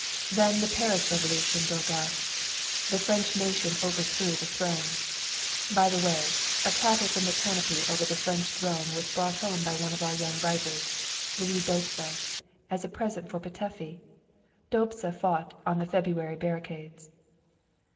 Then the Paris Revolution broke out. The French nation overthrew the throne. (By the way, a tatter from the canopy over the French throne was brought home by one of our young writers, Louis Dóbsa, as a present for Petöfi. Dóbsa fought on the February barricades.)